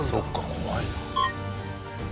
怖いな。